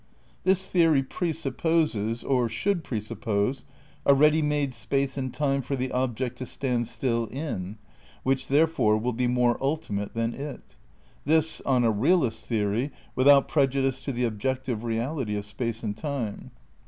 This theory ^^^^^ presupposes, or should presuppose, a ready made space and time for the object to stand still in, which therefore will be more ultimate than it. This, on a realist theory, without prejudice to the objective reality of space and time.